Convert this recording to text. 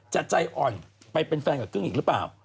จะใจอ่อนไปเป็นแฟนกับกึ้งอีกหรือเปล่า